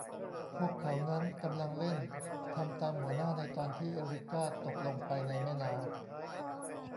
พวกเขานั้นกำลังเล่น ทำตามหัวหน้า ในตอนที่ เอริก้าตกลงไปในแม่น้ำ